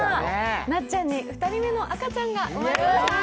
なっちゃんに２人目の赤ちゃんが生まれました。